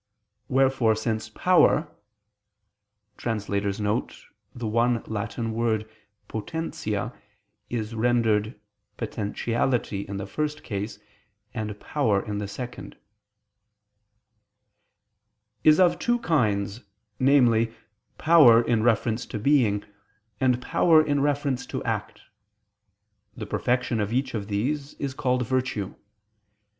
Wherefore, since power [*The one Latin word potentia is rendered 'potentiality' in the first case, and 'power' in the second] is of two kinds, namely, power in reference to being, and power in reference to act; the perfection of each of these is called virtue.